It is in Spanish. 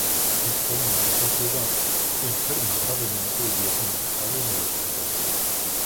Estando en esa ciudad enferma gravemente y es ingresado en el hospital.